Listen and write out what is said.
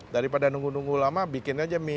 daripada nunggu nunggu lama bikin aja mie